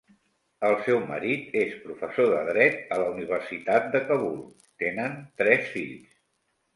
El seu marit és professor de dret a la Universitat de Kabul; tenen tres fills.